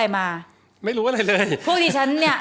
มาช่วยพี่หน่อย